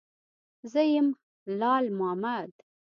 _زه يم، لال مامد.